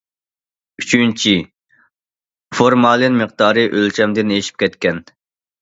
ئۈچىنچى، فورمالىن مىقدارى ئۆلچەمدىن ئېشىپ كەتكەن.